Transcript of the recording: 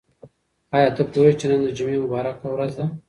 آیا ته پوهېږې چې نن د جمعې مبارکه ورځ ده؟